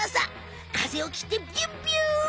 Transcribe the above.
風をきってビュンビュン！